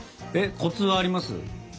コツはあります？